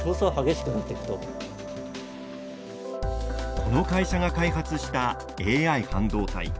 この会社が開発したＡＩ半導体。